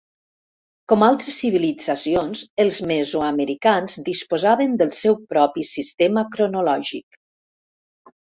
Com altres civilitzacions, els mesoamericans disposaven del seu propi sistema cronològic.